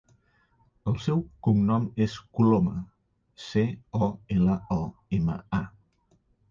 El seu cognom és Coloma: ce, o, ela, o, ema, a.